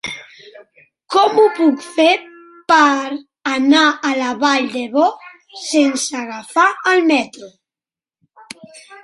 Com ho puc fer per anar a la Vall d'Ebo sense agafar el metro?